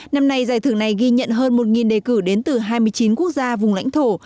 năm nay giải thưởng này ghi nhận hơn một đề cử đến từ hai mươi chín quốc gia vùng lãnh thổ